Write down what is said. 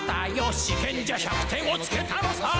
試験じゃ百点をつけたのさ」